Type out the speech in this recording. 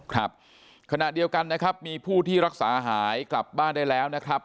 ครับขณะเดียวกันนะครับมีผู้ที่รักษาหายกลับบ้านได้แล้วนะครับ